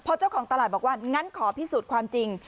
พอเจ้าของตลาดบอกว่างั้นขอพิสูจน์ความจริง